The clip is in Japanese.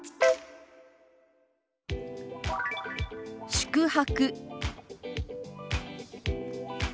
「宿泊」。